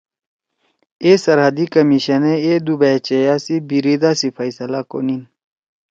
اے سرحدی کمیشن اے دُو بأچیئا سی بِیریدا سی فیصلہ کونیِن